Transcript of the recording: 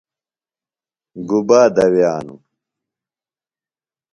گُبا دوائنوۡ؟